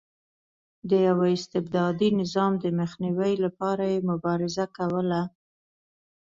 د یوه استبدادي نظام د مخنیوي لپاره یې مبارزه کوله.